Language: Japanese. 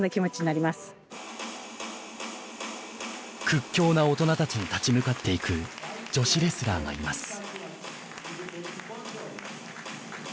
屈強な大人たちに立ち向かっていく女子レスラーがいます。